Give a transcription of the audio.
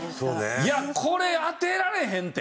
いやこれ当てられへんって。